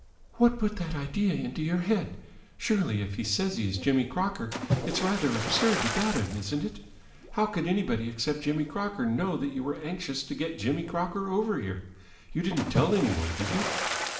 "What put that idea into your head? Surely, if he says he is Jimmy Crocker, it's rather absurd to doubt him, isn't it? How could anybody except Jimmy Crocker know that you were anxious to get Jimmy Crocker over here? You didn't tell any one, did you?"